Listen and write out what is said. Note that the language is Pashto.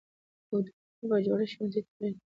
او دواړه بهجوړه ښوونځي ته تللې